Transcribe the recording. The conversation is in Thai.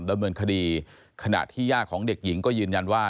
ดำเนินคดีขณะที่ย่าของเด็กหญิงก็ยืนยันว่า